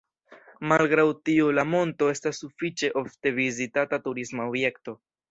Malgraŭ tio la monto estas sufiĉe ofte vizitata turisma objekto.